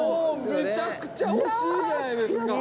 めちゃくちゃ惜しいじゃないですか。